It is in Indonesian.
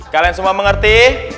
kalian semua mengerti